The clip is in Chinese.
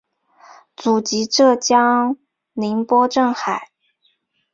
祖籍浙江宁波镇海。